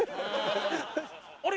あれ？